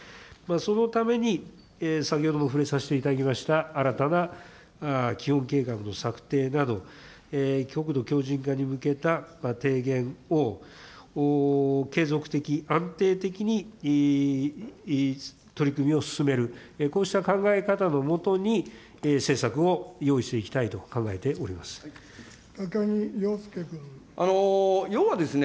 そのために、先ほども触れさせていただきました、新たな基本計画の策定など、国土強靭化に向けた提言を継続的、安定的に取り組みを進める、こうした考え方の下に、政策を用意していきたいと考えております。